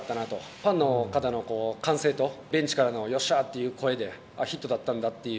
ファンの方の歓声とベンチからのよっしゃーという声で、ヒットだったんだっていう。